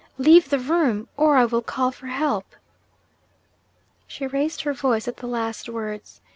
Leave the room or I will call for help!' She raised her voice at the last words.